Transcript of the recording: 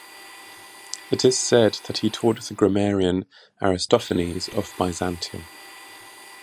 It is said that he taught the grammarian Aristophanes of Byzantium.